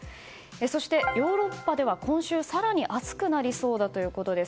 そして、ヨーロッパでは今週更に暑くなりそうだということです。